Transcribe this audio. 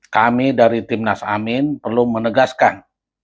kami dari tim nasamin perlu menegaskan